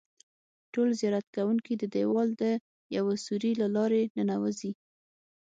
ټول زیارت کوونکي د دیوال د یوه سوري له لارې ننوځي.